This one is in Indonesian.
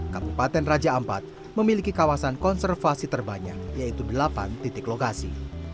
kabupaten raja ampat memiliki kawasan konservasi terbanyak yaitu delapan titik lokasi